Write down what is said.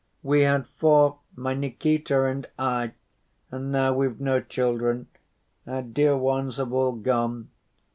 We had four, my Nikita and I, and now we've no children, our dear ones have all gone.